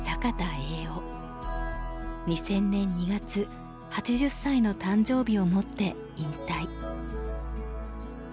２０００年２月８０歳の誕生日をもって引退。